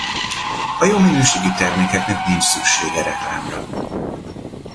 A jó minőségű terméknek nincs szüksége reklámra.